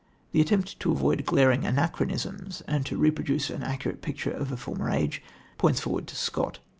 The attempt to avoid glaring anachronisms and to reproduce an accurate picture of a former age points forward to Scott.